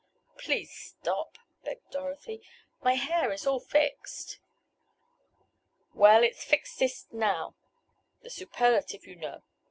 "Please stop!" begged Dorothy. "My hair is all fixed!" "Well, it's 'fixest' now. The superlative you know.